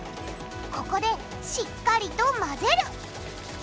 ここでしっかりとまぜる！